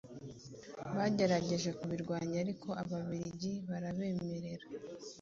bagerageje kubirwanya ariko Ababiligi barabemerera